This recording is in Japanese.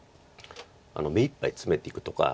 目いっぱいツメていくとか。